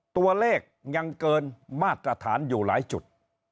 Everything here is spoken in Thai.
ตัวเลขยังเกินมาตรฐานอยู่หลายจุด